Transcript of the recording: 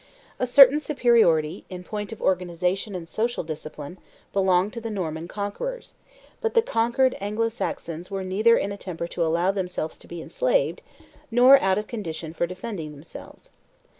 A certain superiority, in point of organization and social discipline, belonged to the Norman conquerors; but the conquered Anglo Saxons were neither in a temper to allow themselves to be enslaved nor out of condition for defending themselves.